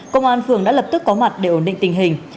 công an phường đã lập tức có mặt để ổn định tình hình